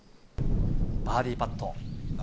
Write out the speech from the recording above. バーディーパット。